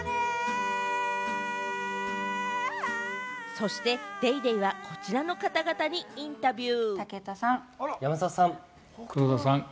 そして『ＤａｙＤａｙ．』は、こちらの方々にインタビュー。